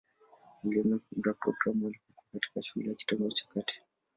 Alianza kuunda programu alipokuwa katikati shule ya kitengo cha kati.